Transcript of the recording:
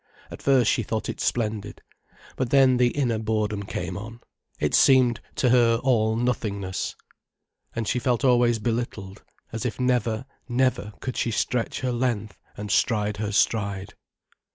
At first she thought it splendid. But then the inner boredom came on, it seemed to her all nothingness. And she felt always belittled, as if never, never could she stretch her length and stride her stride.